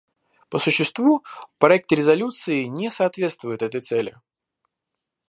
По существу, проект резолюции не соответствует этой цели.